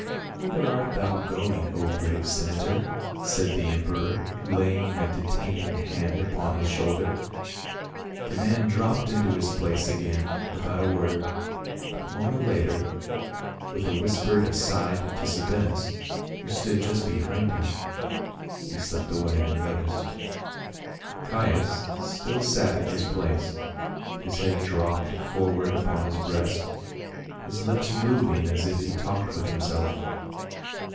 "Whither art thou going, O brave senator?" said the emperor, laying a detaining hand upon his shoul 200 PA UL. der ; the man dropped into his place again without a word, but a moment later, with a whispered aside to Sabinus, who stood just behind him, he slipped away unnoticed. Caius still sat in his place, his head dropped for ward upon his breast, his lips moving as if he talked with himself.